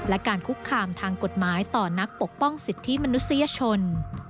และการคุกคามทางกฎหมายต่อนักปกป้องสิทธิมนุษยชน